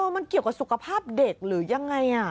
มันเกี่ยวกับสุขภาพเด็กหรือยังไง